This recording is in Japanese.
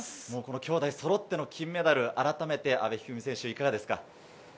兄妹そろっての金メダル、改めて阿部一二三選手いかがですか。